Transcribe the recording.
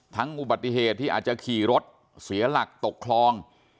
อุบัติเหตุที่อาจจะขี่รถเสียหลักตกคลอง